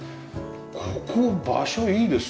ここ場所いいですよね。